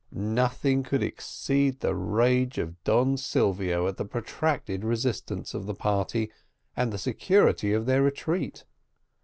Nothing could exceed the rage of Don Silvio at the protracted resistance of the party, and the security of their retreat.